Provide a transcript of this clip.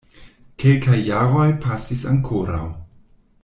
Kelkaj jaroj pasis ankoraŭ.